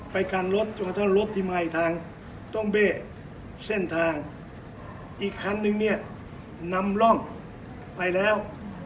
ไปกันรถจนกระทั่งรถที่มาอีกทางต้องเบ้เส้นทางอีกคันนึงเนี่ยนำร่องไปแล้ว